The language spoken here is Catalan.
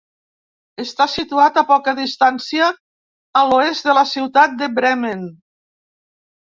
Està situat a poca distància a l'oest de la ciutat de Bremen.